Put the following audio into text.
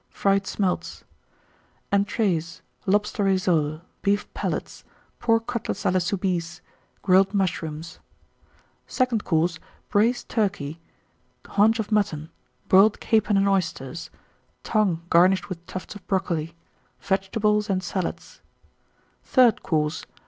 Fried Smelts. ENTREES. Lobster Rissoles. Beef Palates. Pork Cutlets à la Soubise. Grilled Mushrooms. SECOND COURSE. Braised Turkey. Haunch of Mutton. Boiled Capon and Oysters. Tongue, garnished with tufts of Brocoli. Vegetables and Salads. THIRD COURSE.